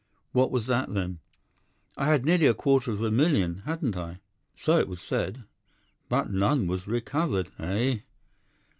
"'"What was that, then?" "'"I'd had nearly a quarter of a million, hadn't I?" "'"So it was said." "'"But none was recovered, eh?"